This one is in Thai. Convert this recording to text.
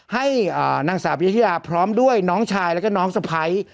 ให้อ่านางสาบยาพร้อมด้วยน้องชายแล้วก็นางสะภัย